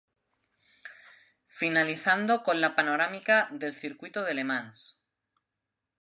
Finalizando con la panorámica del circuito de Le Mans.